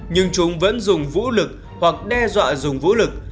nhưng chúng vẫn dùng vũ lực hoặc đe dọa dùng vũ lực